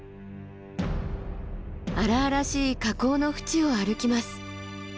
荒々しい火口の淵を歩きます。